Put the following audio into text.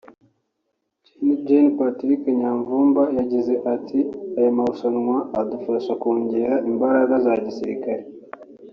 Gen Patrick Nyamvumba yagize ati " Aya marushanwa adufasha kongera imbaraga za gisirikare